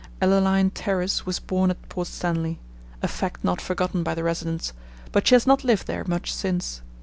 Ellaline Terriss was born at Port Stanley—a fact not forgotten by the residents, but she has not lived there much since.